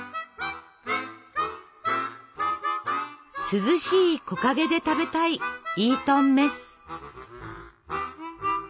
涼しい木陰で食べたいイートンメス。